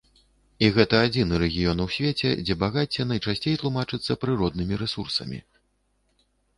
І гэта адзіны рэгіён у свеце, дзе багацце найчасцей тлумачыцца прыроднымі рэсурсамі.